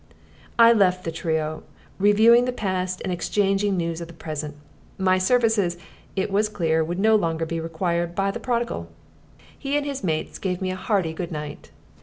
I left the trio reviewing the past and exchanging news of the present. My services, it was clear, would no longer be required by the prodigal. He and his mates gave me a hearty good night.